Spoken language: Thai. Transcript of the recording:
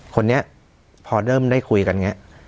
คนนี้พอเริ่มได้คุยกันเนี่ย